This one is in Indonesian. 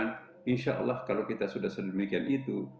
insya allah kalau kita sudah sedemikian itu